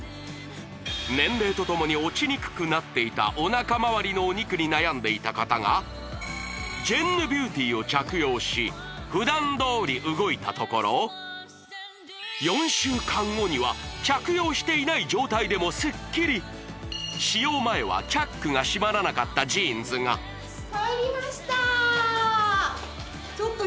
年齢とともに落ちにくくなっていたおなか周りのお肉に悩んでいた方がジェンヌビューティーを着用し普段どおり動いたところ４週間後には着用していない状態でもスッキリ使用前はチャックが閉まらなかったジーンズがうわあ嘘！？